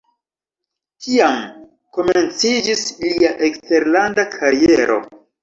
Tiam komenciĝis lia eksterlanda kariero.